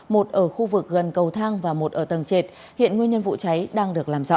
một ở khu vực gần cầu thang và một ở tầng trệt hiện nguyên nhân vụ cháy đang được làm rõ